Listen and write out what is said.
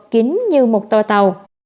kính như một tòa tàu